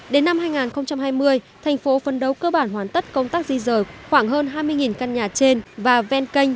đến năm hai nghìn hai mươi thành phố phân đấu cơ bản hoàn tất công tác di rời khoảng hơn hai mươi căn nhà trên